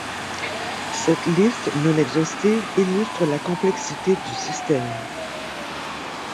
Cette liste, non exhaustive, illustre la complexité du système.